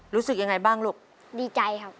รู้สึกยังไงบ้างลูกดีใจครับ